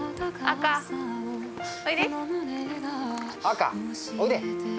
赤おいで。